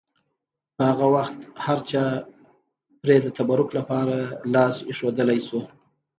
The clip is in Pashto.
په هغه وخت هرچا پرې د تبرک لپاره لاس ایښودلی شو.